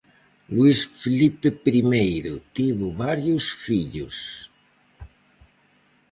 Luís Filipe Primeiro tivo varios fillos.